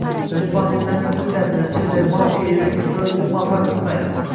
Respondentning millati, tili, mavqei va ish joyi umuman farq qilmaydi